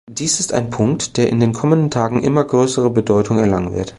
Dies ist ein Punkt, der in den kommenden Tagen immer größere Bedeutung erlangen wird.